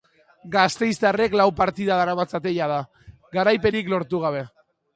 Gasteiztarrek lau partida daramatzate jada, garaipenik lortu gabe.